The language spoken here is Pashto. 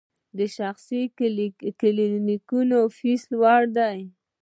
د شخصي کلینیکونو فیس لوړ دی؟